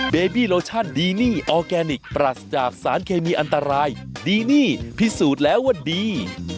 เบบี้โลชั่นดีนี่ออร์แกนิคปรัสจากสารเคมีอันตรายดีนี่พิสูจน์แล้วว่าดี